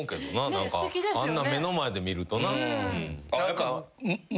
何かあんな目の前で見るとな。